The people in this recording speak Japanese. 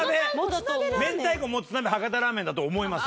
めんたいこもつ鍋博多ラーメンだと思います。